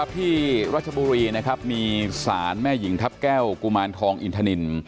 ที่รัชบุรีมีศาลแม่หญิงทับแก้วกุมาลคองอีฆาณิน